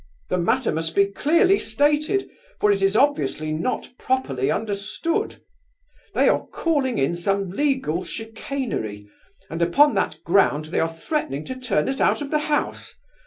"The matter must be clearly stated, for it is obviously not properly understood. They are calling in some legal chicanery, and upon that ground they are threatening to turn us out of the house!